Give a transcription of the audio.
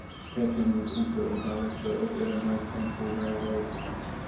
Ketchum was also a director of the Illinois Central Railroad.